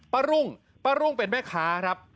รุ่งป้ารุ่งเป็นแม่ค้าครับ